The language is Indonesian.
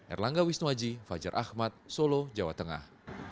erlangga wisnuaji fajar ahmad solo jawa tengah